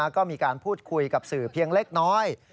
ก็มีการพูดคุยกับสื่อเพียงเล็กน้อย